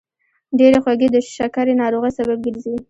ډېرې خوږې د شکرې ناروغۍ سبب ګرځي.